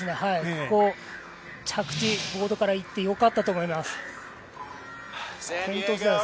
ここ、着地、ボードからいってよかったと思います。